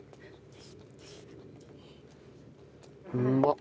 うまっ。